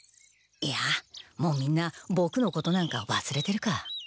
いやもうみんなボクのことなんかわすれてるか。